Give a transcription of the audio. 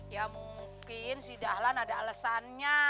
ya mungkin si dahlan ada alasannya